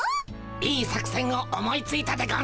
いい作せんを思いついたでゴンス。